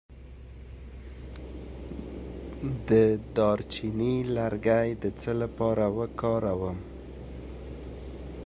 د دارچینی لرګی د څه لپاره وکاروم؟